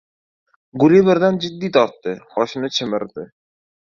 Guli birdan jiddiy tortdi. Qoshini chimirdi.